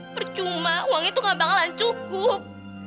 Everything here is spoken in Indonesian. percuma uang itu gak bakalan cukup